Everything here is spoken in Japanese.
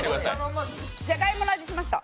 じゃがいもの味、しました。